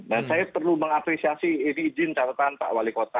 dan saya perlu mengapresiasi ini izin catatan pak wali kota